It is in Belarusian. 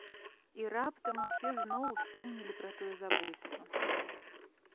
І раптам усе зноў успомнілі пра тое забойства.